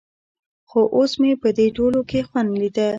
خو اوس مې په دې ټولو کښې خوند ليده.